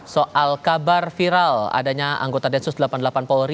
soal kabar viral adanya anggota densus delapan puluh delapan polri